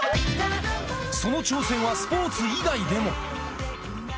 その挑戦はスポーツ以外でも。